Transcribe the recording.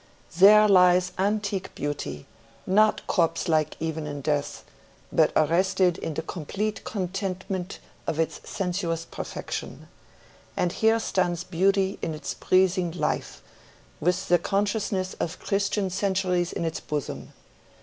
"There lies antique beauty, not corpse like even in death, but arrested in the complete contentment of its sensuous perfection: and here stands beauty in its breathing life, with the consciousness of Christian centuries in its bosom.